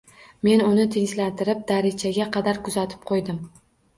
Men uni tinchlantirib, darichaga kadar kuzatib qo`ydim